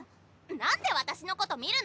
なんで私のこと見るのよ！